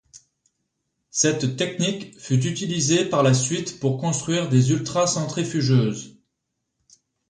Cette technique fut utilisée par la suite pour construire des ultracentrifugeuses.